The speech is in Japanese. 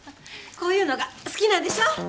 こういうのが好きなんでしょ？